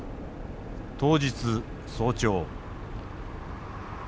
当日早朝。